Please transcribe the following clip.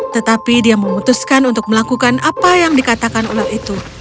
tetapi dia memutuskan untuk melakukan apa yang dikatakan ular itu